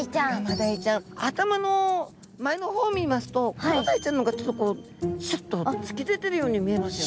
頭の前の方見ますとクロダイちゃんの方がちょっとこうシュッと突き出てるように見えますよね。